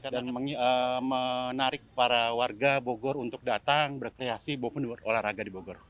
dan menarik para warga bogor untuk datang berkreasi maupun olahraga di bogor